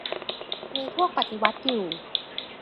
มีพวกปฏิวัติอยู่